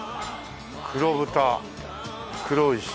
黒豚黒牛。